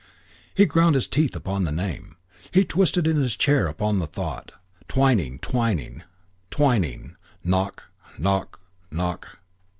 He ground his teeth upon the name. He twisted in his chair upon the thought. Twyning, Twyning, Twyning! Knock, knock, knock!